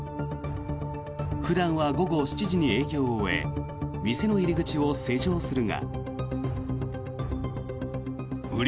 普段は午後７時に営業を終え店の入り口を施錠するが。